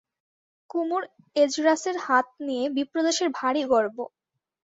কুমুর এসরাজের হাত নিয়ে বিপ্রদাসের ভারি গর্ব।